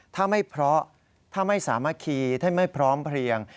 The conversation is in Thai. ถ้าไม่เพราะถ้าไม่สามารถคีท่านไม่พร้อมเพลียง